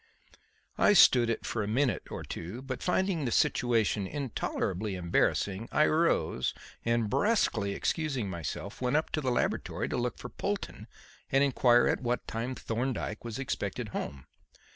I stood it for a minute or two, but, finding the situation intolerably embarrassing, I rose, and brusquely excusing myself, went up to the laboratory to look for Polton and inquire at what time Thorndyke was expected home.